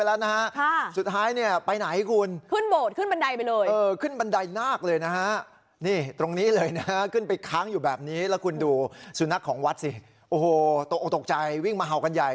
แล้วคุณดูสู่หน้าของวัดสิโอ้โฮตกตกใจวิ่งมาเหากันใหญ่